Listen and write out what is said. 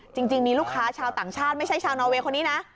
จริงมีลูกค้าชาวต่างชาติไม่ใช่ชาวนอเวย์คนนี้นะ